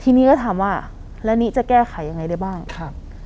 ทีนี้ก็ถามว่าแล้วนี้จะแก้ไขยังไงได้บ้างครับ